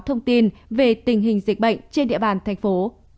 thông tin về tình hình dịch bệnh trên địa bàn thành phố